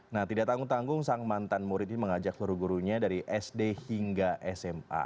nah tidak tanggung tanggung sang mantan murid ini mengajak seluruh gurunya dari sd hingga sma